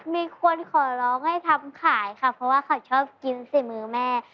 มีคนขอร้องให้ทำขายค่ะเพราะว่าเขาชอบกินฝีมือแม่